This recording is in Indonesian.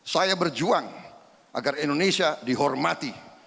saya berjuang agar indonesia dihormati